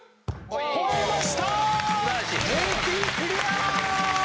超えました！